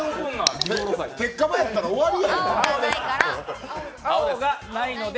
鉄火場やったら終わりやで。